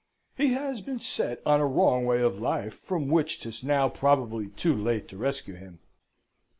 He has been set on a wrong way of life, from which 'tis now probably too late to rescue him.